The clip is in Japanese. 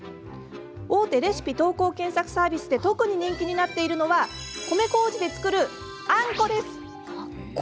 大手レシピ投稿・検索サービスで特に人気になっているのは米こうじで作る、あんこです。